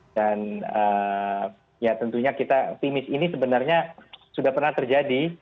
dan ya tentunya kita timis ini sebenarnya sudah pernah terjadi